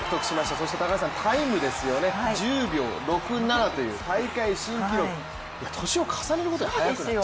そしてタイムですよね、１０秒６７という、大会新記録。年を重ねるごとに速くなっちゃう。